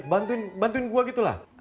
bantuin bantuin gue gitu lah